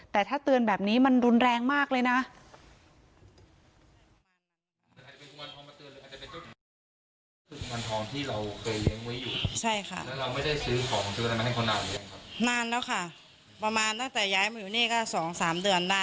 แต่ถ้าเตือนแบบนี้มันรุนแรงมากเลยนะ